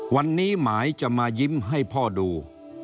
วันนี้หมายจะมายิ้มให้พ่อดู